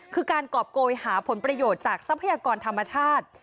คือการกรอบโกยหาผลประโยชน์จากทรัพยากรธรรมชาติ